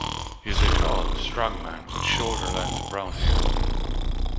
He is a tall, strong man with shoulder length brown hair.